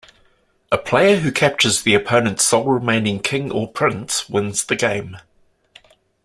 A player who captures the opponent's sole remaining king or prince wins the game.